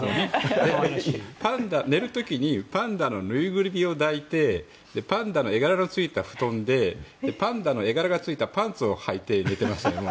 寝る時にパンダのぬいぐるみを抱いてパンダの絵柄のついた布団でパンダの絵柄のついたパンツをはいて寝てましたね。